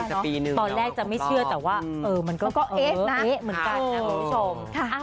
ตอนแรกจะไม่เชื่อแต่ว่ามันก็เอ๊ะนะเอ๊ะเหมือนกันนะคุณผู้ชม